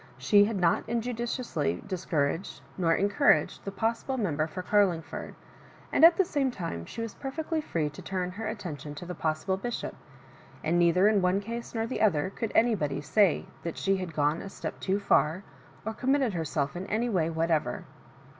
She had not injudiciously discouraged nor eiK»uraged the posmble member for Carling^ord ; and at the same time she was perfectly free to turn ber atten tion to the possible bishop ; and neither in one case nor the other could anybody say that she had gone a step too far, or committed herself in any way whatever.